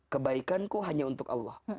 kebaikan ku hanya untuk allah